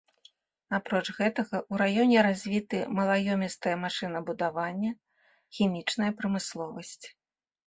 Апроч гэтага, у раёне развіты металаёмістае машынабудаванне, хімічная прамысловасць.